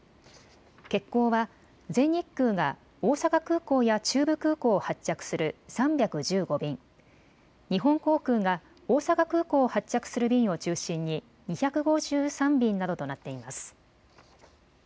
欠航は全日空が大阪空港や中部空港を発着する３１５便、日本航空が大阪空港を発着する便を中心に２５３便などとなっています。